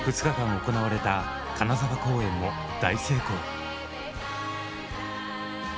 ２日間行われた金沢公演も大成功。